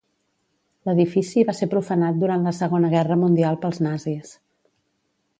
L'edifici va ser profanat durant la Segona Guerra Mundial pels nazis.